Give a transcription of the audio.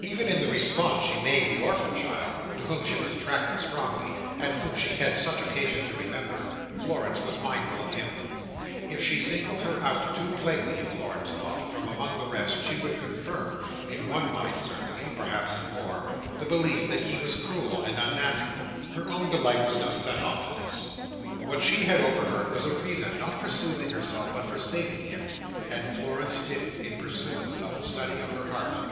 Even in the response she made the orphan child, to whom she was attracted strongly, and whom she had such occasion to remember, Florence was mindful of him. If she singled her out too plainly (Florence thought) from among the rest, she would confirm—in one mind certainly: perhaps in more—the belief that he was cruel and unnatural. Her own delight was no set off to this. What she had overheard was a reason, not for soothing herself, but for saving him; and Florence did it, in pursuance of the study of her heart.